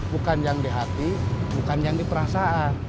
bukan yang di hati bukan yang di perasaan